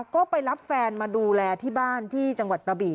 ก็ไปรับแฟนมาดูแลที่บ้านที่จังหวัดกระบี่